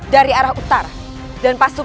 benar gusti prabowo